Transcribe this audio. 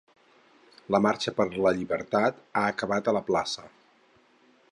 La Marxa per la Llibertat ha acabat a la plaça .